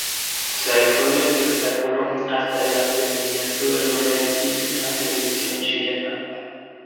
Se alejó del espectáculo hasta el advenimiento de los realities en la televisión chilena.